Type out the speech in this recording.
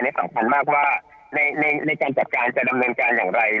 สำคัญมากว่าในการจัดการจะดำเนินการอย่างไร